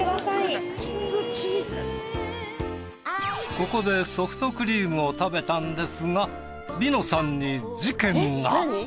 ここでソフトクリームを食べたんですが梨乃さんに事件が。